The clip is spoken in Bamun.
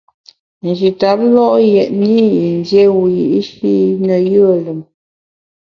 Nji tap lo’ yètne i yin dié wiyi’shi ne yùe lùm.